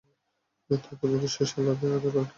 তারপর যদি সে সালাত আদায় করে তাহলে সবকটি গিটই খুলে যায়।